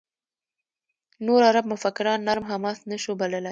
نور عرب مفکران «نرم حماس» نه شو بللای.